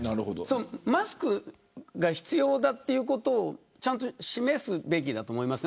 マスクが必要だということをちゃんと示すべきだと思います。